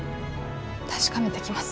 確かめてきます。